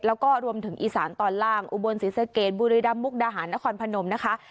แล้วก็รวมถึงอีสารทรอนล่างบุรีด่ามมุกดาหารนครพนมนะคะ